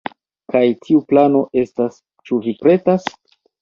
Kaj tiu plano estas... ĉu vi pretas?